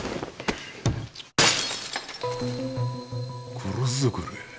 殺すぞこら。